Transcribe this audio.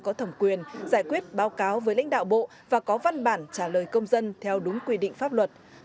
có thẩm quyền giải quyết báo cáo với lãnh đạo bộ và có văn bản trả lời công dân theo đúng quy định pháp luật